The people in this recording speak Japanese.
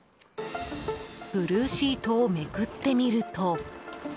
ブルーシートをめくってみると。